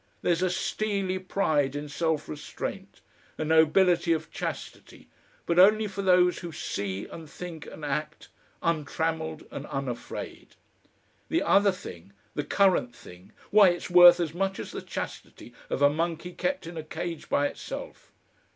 There's a steely pride in self restraint, a nobility of chastity, but only for those who see and think and act untrammeled and unafraid. The other thing, the current thing, why! it's worth as much as the chastity of a monkey kept in a cage by itself!"